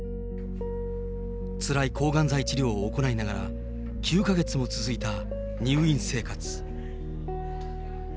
つらい抗がん剤治療を行いながら、９か月も続いた入院生活。